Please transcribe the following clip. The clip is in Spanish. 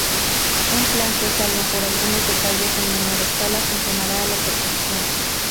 Un plan que, salvo por algunos detalles en menor escala, funcionará a la perfección.